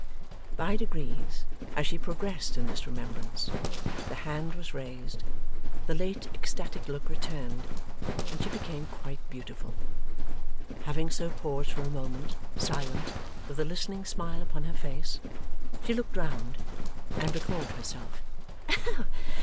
By degrees, as she progressed in this remembrance, the hand was raised, the late ecstatic look returned, and she became quite beautiful. Having so paused for a moment, silent, with a listening smile upon her face, she looked round and recalled herself.